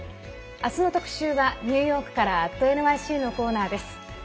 明日の特集はニューヨークから「＠ｎｙｃ」のコーナーです。